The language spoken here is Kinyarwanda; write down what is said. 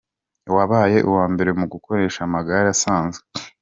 wabaye uwa mbere mu gukoresha amagare asanzwe.